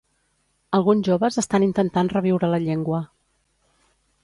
Alguns joves estan intentant reviure la llengua.